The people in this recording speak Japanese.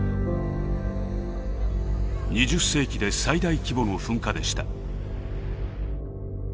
２０世紀で最大規模の噴火でした。